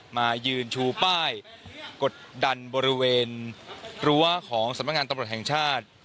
มายืนชูป้ายกดดันบริเวณรั้วของสำนักงานตำรวจแห่งชาติ